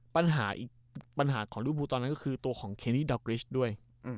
ปัญห่าของลูฟภูตอนนั้นก็คือตัวของเคนี่ดัลเกรชด้วย